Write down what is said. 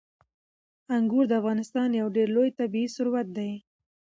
انګور د افغانستان یو ډېر لوی طبعي ثروت دی.